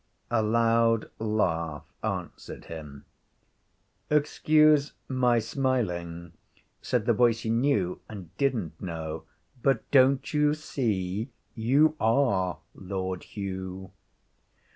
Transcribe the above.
A loud laugh answered him. 'Excuse my smiling,' said the voice he knew and didn't know, 'but don't you see you are Lord Hugh!'